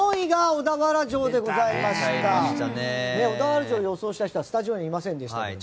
小田原城、予想した人はスタジオにいませんでしたけど。